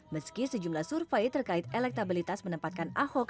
meski sejumlah survei terkait elektabilitas menempatkan ahok